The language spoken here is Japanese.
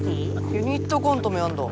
ユニットコントもやるんだ？